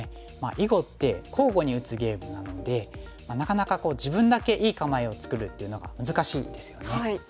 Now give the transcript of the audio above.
囲碁って交互に打つゲームなのでなかなか自分だけいい構えを作るっていうのが難しいですよね。